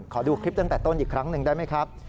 ขอดูคลิปตั้งแต่ต้นอีกครั้งหนึ่งได้ไหมครับ